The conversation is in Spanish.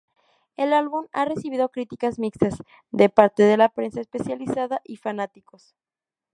El álbum ha recibido críticas mixtas de parte de la prensa especializada y fanáticos.